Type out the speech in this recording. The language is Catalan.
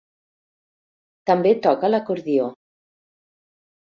També toca l'acordió.